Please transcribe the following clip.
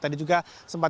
tadi juga sempat